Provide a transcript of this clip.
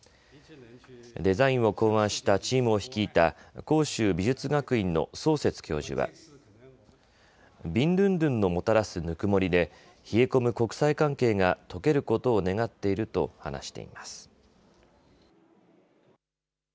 デザインを考案したチームを率いた広州美術学院の曹雪教授は、ビンドゥンドゥンのもたらすぬくもりで冷え込む国際関係がとけることを願っていると話しています。